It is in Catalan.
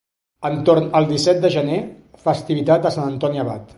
Entorn el disset de gener, festivitat de Sant Antoni Abat.